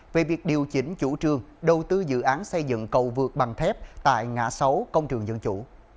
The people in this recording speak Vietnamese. về việc điều chỉnh chủ trương đầu tư dự án xây dựng cầu vượt bằng thép tại ngã sáu công trường dân chủ